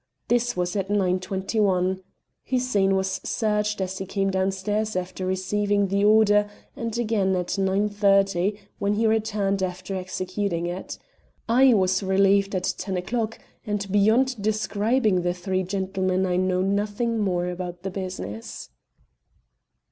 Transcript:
This was at 9.21. Hussein was searched as he came downstairs after receiving the order, and again at 9.30 when he returned after executing it. I was relieved at ten o'clock, and beyond describing the three gentlemen, I know nothing more about the business."